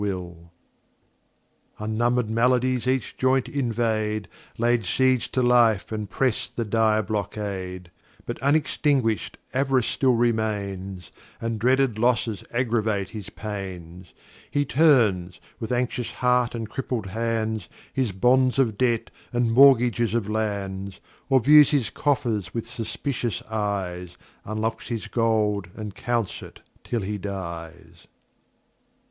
[Footnote l: Ver. 188. 288.] Unnumber'd Maladies each Joint invade, Lay Siege to Life and press the dire Blockade; But unextinguish'd Av'rice still remains, And dreaded Losses aggravate his Pains; He turns, with anxious Heart and cripled Hands, His Bonds of Debt, and Mortgages of Lands; Or views his Coffers with suspicious Eyes, Unlocks his Gold, and counts it till he dies.